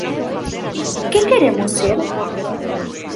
Que queremos ser?